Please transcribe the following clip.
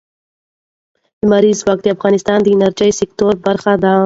لمریز ځواک د افغانستان د انرژۍ سکتور برخه ده.